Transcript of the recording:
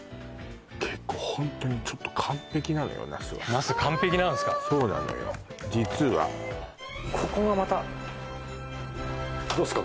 結構ホントにちょっと那須完璧なんですかそうなのよ実はここがまたどうですか？